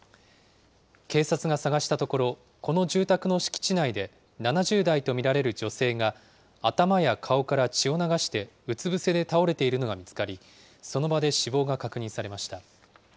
警察が捜したところ、この住宅の敷地内で、７０代と見られる女性が、頭や顔から血を流してうつ伏せで倒れているのが見つかり、その場で死亡が確認されました。